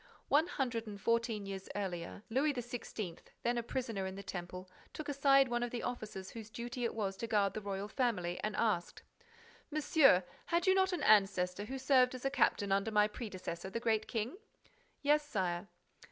One hundred and fourteen years later, Louis XVI., then a prisoner in the Temple, took aside one of the officers whose duty it was to guard the royal family, and asked: "Monsieur, had you not an ancestor who served as a captain under my predecessor, the Great King?" "Yes, sire."